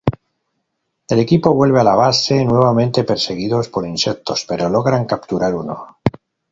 El equipo vuelve a la base, nuevamente perseguidos por insectos, pero logran capturar uno.